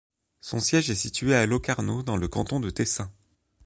Son siège est situé à Locarno, dans le canton du Tessin.